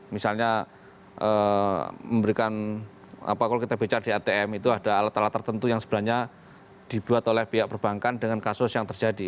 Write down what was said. misalnya memberikan apa kalau kita baca di atm itu ada alat alat tertentu yang sebenarnya dibuat oleh pihak perbankan dengan kasus yang terjadi